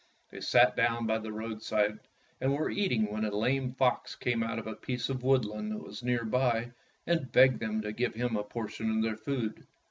They sat down by the roadside and were eating when a lame fox came out of a piece of woodland that was near by and begged them to give him a portion of their food.